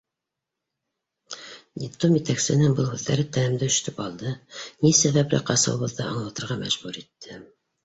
Детдом етәксеһенең был һүҙҙәре тәнемде өшөтөп алды, ни сәбәпле ҡасыуыбыҙҙы аңлатырға мәжбүр итте.